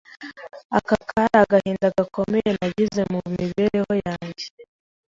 Aka kari agahinda gakomeye nagize mu mibereho yanjye.